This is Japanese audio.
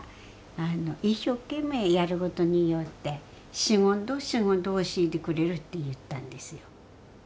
あの一生懸命やることによって「仕事仕事教えてくれる」って言ったんですよ。